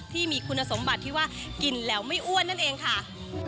ที่มีคุณสมบัติที่ว่ากินแล้วไม่อ้วนนั่นเองค่ะ